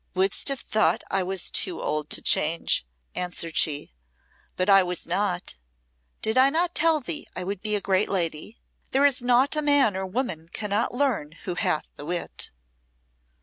"Wouldst have thought I was too old to change," answered she, "but I was not. Did I not tell thee I would be a great lady? There is naught a man or woman cannot learn who hath the wit."